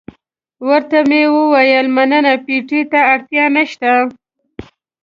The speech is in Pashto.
ورته ومې ویل مننه، پېټي ته اړتیا نشته.